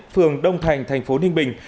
phường đông thành thành phố ninh bình